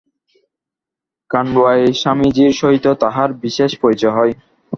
খাণ্ডোয়ায় স্বামীজীর সহিত তাঁহার বিশেষ পরিচয় হয়।